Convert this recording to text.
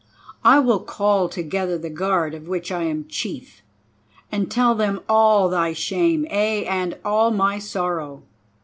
I will call together the guard of which I am chief, and tell them all thy shame, ay, and all my sorrow.